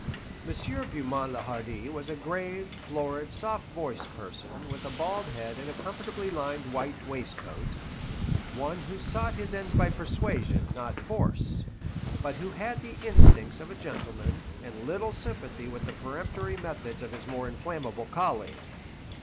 M. Beaumont le Hardi was a grave, florid, soft voiced person, with a bald head and a comfortably lined white waistcoat; one who sought his ends by persuasion, not force, but who had the instincts of a gentleman, and little sympathy with the peremptory methods of his more inflammable colleague.